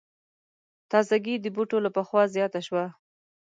تازګي د بوټو له پخوا زیاته شوه.